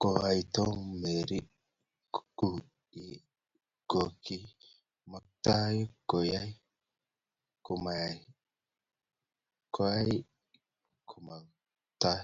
koyai tom Mary kuyekokimaktoi ko yahana komayai kuyee kokimaktoi